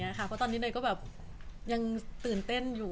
เพราะตอนนี้เนยก็แบบยังตื่นเต้นอยู่